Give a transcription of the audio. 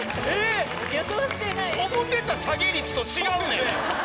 思うてた下げ率と違うねん！